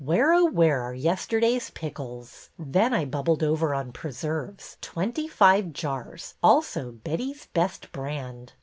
Where, oh, where, are yesterday's pickles? Then I bubbled over on preserves. Twenty five jars, also Betty's Best Brand.